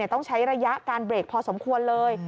ต้องใช้ระยะการเบรกพอสมควรเลย